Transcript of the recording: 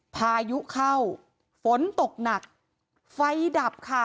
พายุเข้าฝนตกหนักไฟดับค่ะ